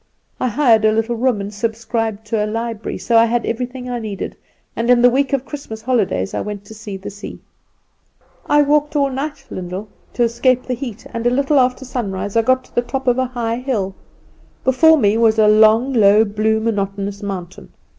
"I hired a little room, and subscribed to a library, so I had everything I needed; and in the week of Christmas holidays I went to see the sea. I walked all night, Lyndall, to escape the heat, and a little after sunrise I got to the top of a high hill. Before me was a long, low, blue, monotonous mountain.